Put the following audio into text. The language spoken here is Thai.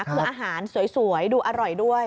คืออาหารสวยดูอร่อยด้วย